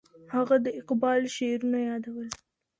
هغه د اقبال شعرونه یادول.